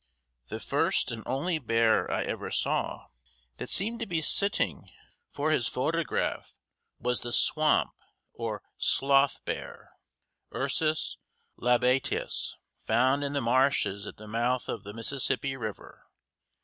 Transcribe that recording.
The first and only bear I ever saw that seemed to be sitting for his photograph was the swamp, or "sloth," bear Ursus Labiatus found in the marshes at the mouth of the Mississippi River.